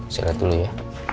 saya lihat dulu ya